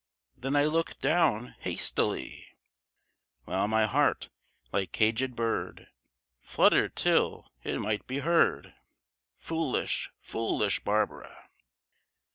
Then I looked down hastily, While my heart, like caged bird, Fluttered till it might be heard. Foolish, foolish Barbara!